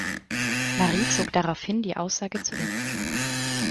Marie zog daraufhin die Aussage zurück.